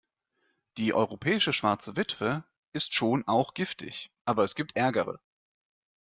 Die Europäische Schwarze Witwe ist schon auch giftig, aber es gibt ärgere.